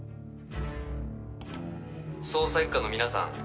捜査一課の皆さん